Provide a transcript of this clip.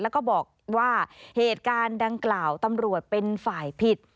แล้วก็บอกว่าเหตุการณ์ดังกล่าวตำรวจเป็นฝ่ายผิด